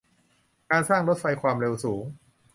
การสร้างรถไฟความเร็วสูง